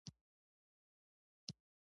په خاوره کې رښتیا ښکاري.